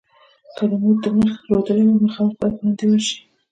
که دې مور تر مخ رودلې وه؛ مخامخ به باندې ورشې.